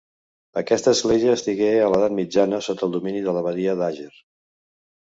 Aquesta església estigué, a l'edat mitjana, sota el domini de l'abadia d'Àger.